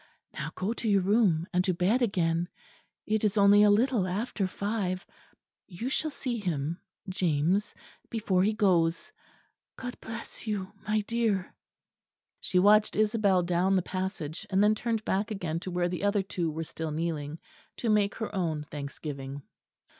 Now go to your room, and to bed again. It is only a little after five. You shall see him James before he goes. God bless you, my dear!" She watched Isabel down the passage; and then turned back again to where the other two were still kneeling, to make her own thanksgiving.